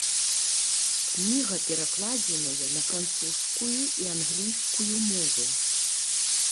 Кніга перакладзеная на французскую і англійскую мовы.